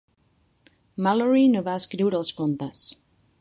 Malory no va escriure els contes.